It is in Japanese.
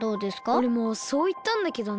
おれもそういったんだけどね。